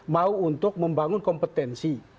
mau untuk membangun kompetensi